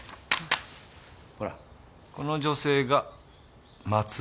ほらこの女性が松岡志保。